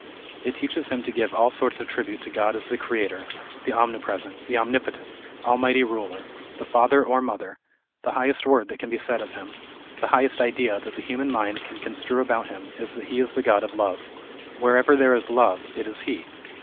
It teaches him to give all sorts of tribute to God as the Creator, the Omnipresent, the Omnipotent, Almighty, Ruler, the Father or Mother, the highest word that can be said of Him, the highest idea that the human mind can construe about Him is that He is THE IDEAL OF A UNIVERSAL RELIGION. 323 the God of Love. Wherever there is love, it is He.